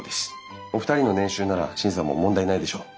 お二人の年収なら審査も問題ないでしょう。